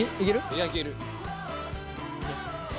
いやいける。